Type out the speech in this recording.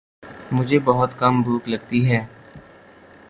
مجھے بہت کم بھوک لگتی ہے